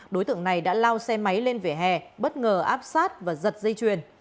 đối tượng này đã lao xe máy lên vỉa hè bất ngờ áp sát và giật dây chuyền